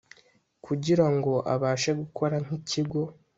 kugirango abashe gukora nk‘ikigo